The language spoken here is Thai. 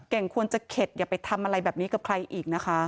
ควรจะเข็ดอย่าไปทำอะไรแบบนี้กับใครอีกนะคะ